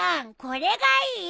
これがいい！